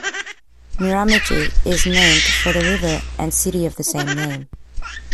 Miramichi is named for the river and city of the same name.